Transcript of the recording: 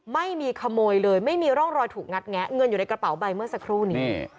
ไม่มีขโมยเลยไม่มีร่องรอยถูกงัดแงะเงินอยู่ในกระเป๋าใบเมื่อสักครู่นี้